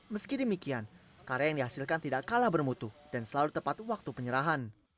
meski demikian karya yang dihasilkan tidak kalah bermutu dan selalu tepat waktu penyerahan